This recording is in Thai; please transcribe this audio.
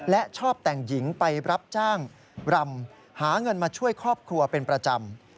และชอบแต่งหญิงไปรับจ้างรำหาเงินมาช่วยครอบครัวเป็นประจำ